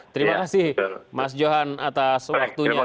terima kasih mas johan atas waktunya